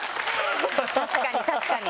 確かに確かに。